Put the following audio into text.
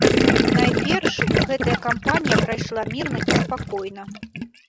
Найперш, гэтая кампанія прайшла мірна і спакойна.